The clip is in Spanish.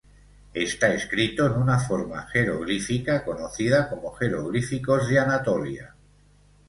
Está escrito en una forma jeroglífica conocida como jeroglíficos de Anatolia.